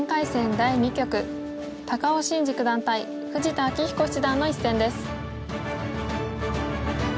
第２局高尾紳路九段対富士田明彦七段の一戦です。